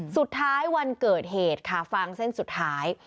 วันเกิดเหตุค่ะฟังเส้นสุดท้าย